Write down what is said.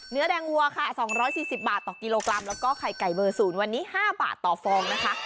เนื้อแดงวัวค่ะ๒๔๐บาทต่อกิโลกรัมแล้วก็ไข่ไก่เบอร์๐วันนี้๕บาทต่อฟองนะคะ